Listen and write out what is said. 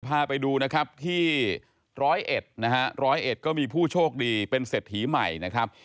พาไปดูนะครับที่ร้อยเอ็ดนะฮะร้อยเอ็ดก็มีผู้โชคดีเป็นเศรษฐีใหม่นะครับ